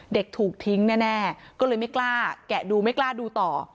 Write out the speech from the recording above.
เด็กถูกทิ้งแน่ก็เลยไม่กล้าแกะดูไม่กล้าดูต่อ